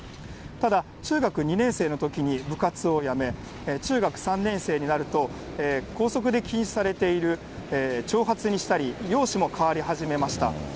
ただ、中学２年生のときに部活を辞め、中学３年生になると、校則で禁止されている、長髪にしたり、容姿も変わり始めました。